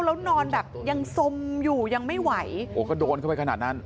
แล้วนอนแบบยังสมอยู่ยังไม่ไหวโอ้ก็โดนเข้าไปขนาดนั้น